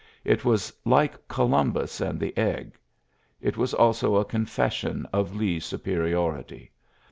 It was like Columbus and the egg. It was also a confession of Lee's superiority.